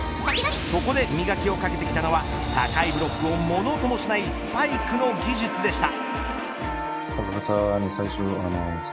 そこで磨きをかけてきたのは高いブロックをものともしないスパイクの技術でした。